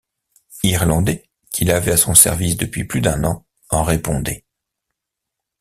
Irlandais, qui l’avait à son service depuis plus d’un an, en répondait.